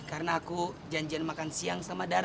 karena aku janjian makan siang sama dara